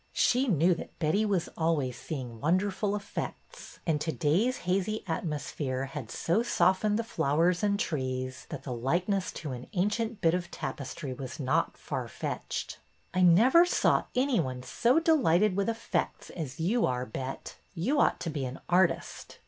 She knew that Betty was always seeing wonderful effects, and to day's haz;y at PRESERVES 119 mosphere had so softened the flowers and trees that the likeness to an ancient bit of tapestry was not far fetched. " I never saw any one so delighted with effects as you are, Bet. You ought to be an artist.